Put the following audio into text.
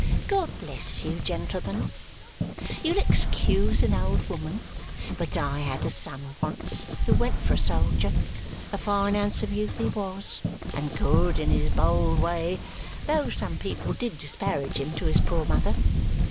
God bless you, gentlemen! You'll excuse an old woman, but I had a son once who went for a soldier. A fine handsome youth he was, and good in his bold way, though some people did disparage him to his poor mother.